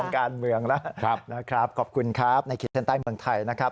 ครับนะครับขอบคุณครับในคิดเท้าใต้เมืองไทยนะครับ